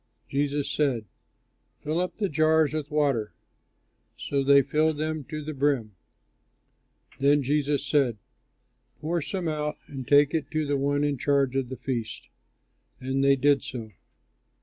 Jesus said, "Fill up the jars with water." So they filled them to the brim. Then Jesus said, "Pour some out, and take it to the one in charge of the feast." And they did so.